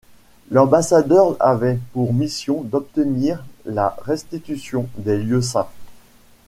L'ambassadeur avait pour mission d'obtenir la restitution des Lieux Saints.